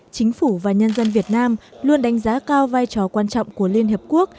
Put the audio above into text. chính phủ và nhân dân việt nam luôn đánh giá cao vai trò quan trọng của liên hiệp quốc